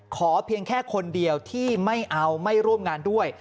เพียงแค่คนเดียวที่ไม่เอาไม่ร่วมงานด้วย